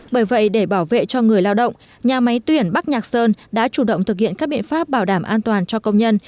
bởi vậy để bảo vệ cho người lao động nhà máy tuyển bắc nhạc sơn đã chủ động thực hiện các biện pháp bảo đảm an toàn cho công nhân